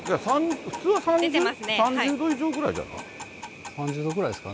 普通は３０度以上ぐらいじゃないですか。